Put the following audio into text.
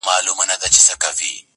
چا له وهمه ورته سپوڼ نه سو وهلای٫